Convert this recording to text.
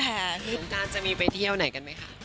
เธอที่ต้องเจอกันจะมีไปเที่ยวไหนนะ